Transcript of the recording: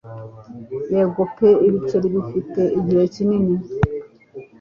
Yego pe ibice bifite igihe kinini